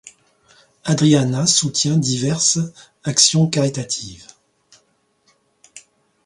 Adriana soutient diverses actions caritatives.